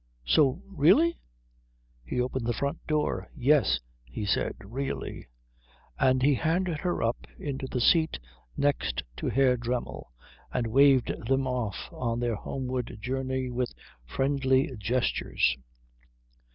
So really ?" He opened the front door. "Yes," he said, "really." And he handed her up into the seat next to Herr Dremmel and waved them off on their homeward journey with friendly gestures.